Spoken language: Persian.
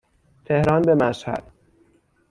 تهران به مشهد